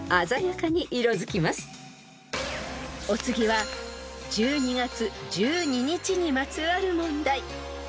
［お次は１２月１２日にまつわる問題］